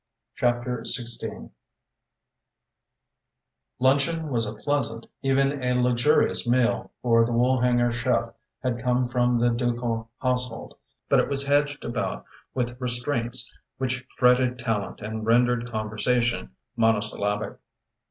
CHAPTER II Luncheon was a pleasant, even a luxurious meal, for the Woolhanger chef had come from the ducal household, but it was hedged about with restraints which fretted Tallente and rendered conversation monosyllabic.